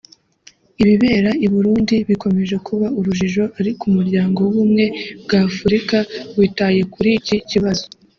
Ibibera i Burundi bikomeje kuba urujijo ariko Umuryango w’Ubumwe bwa Afurika witaye kuri iki kibazo